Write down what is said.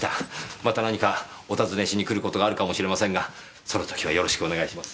また何かおたずねしに来ることがあるかもしれませんがその時はよろしくお願いします。